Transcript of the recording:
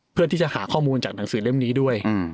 เพื่อที่จะหาข้อมูลจากหนังสือเล่มนี้ด้วย